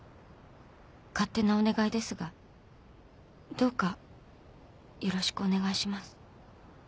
勝手なお願いですがどうかよろしくお願いします。